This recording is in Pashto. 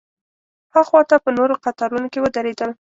ها خوا ته په نورو قطارونو کې ودرېدل.